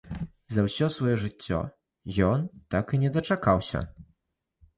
За ўсё сваё жыццё ён так і не дачакаўся.